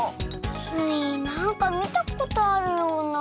スイなんかみたことあるような。